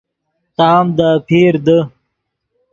تام دے اپیر دے